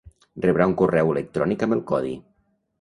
Rebrà un correu electrònic amb el codi.